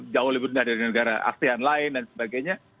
jauh lebih rendah dari negara asean lain dan sebagainya